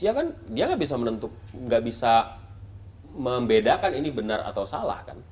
iya anak anak di bawah usia kan dia nggak bisa menentuk nggak bisa membedakan ini benar atau salah kan